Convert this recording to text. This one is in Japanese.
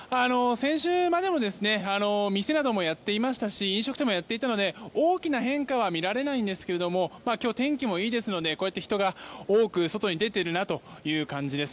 先週までは店などもやっていましたし飲食店もやっていたので大きな変化は見られないんですが今日、天気もいいですのでこうやって、人が多く外に出ているなという感じです。